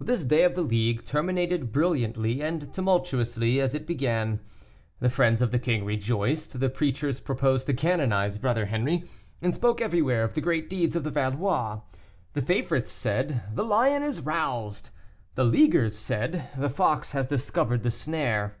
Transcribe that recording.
This day of the League terminated brilliantly and tumultuously, as it began. The friends of the king rejoiced, the preachers proposed to canonize Brother Henri, and spoke everywhere of the great deeds of the Valois. The favorites said, "The lion is roused." The leaguers said, "The fox has discovered the snare."